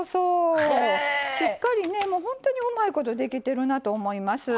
しっかり本当にうまいことできてるなと思います。